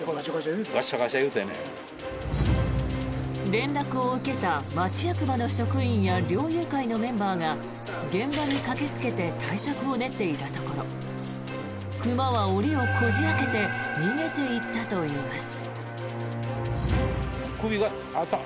連絡を受けた町役場の職員や猟友会のメンバーが現場に駆けつけて対策を練っていたところ熊は檻をこじ開けて逃げていったといいます。